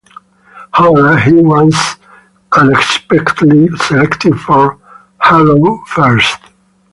However, he was unexpectedly selected for Harrow first.